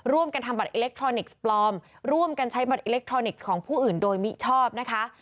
ร่วมกันทำบัตรอิเล็กทรอนิกส์ปลอมร่วมกันใช้บัตรอิเล็กทรอนิกส์ของผู้อื่นโดยมิชอบนะคะ